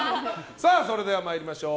それでは参りましょう。